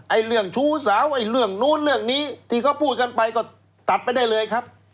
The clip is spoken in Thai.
เรื่องชู้สาวไอ้เรื่องนู้นเรื่องนี้ที่เขาพูดกันไปก็ตัดไปได้เลยครับ